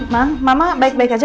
mama baik baik aja